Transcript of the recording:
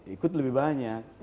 ikut lebih banyak